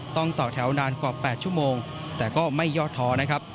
ต่อแถวนานกว่า๘ชั่วโมงแต่ก็ไม่ยอดท้อนะครับ